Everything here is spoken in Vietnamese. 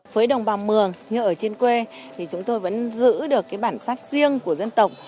với đồng bào mường như ở trên quê thì chúng tôi vẫn giữ được cái bản sắc riêng của dân tộc